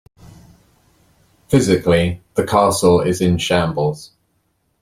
Physically, the castle is in shambles.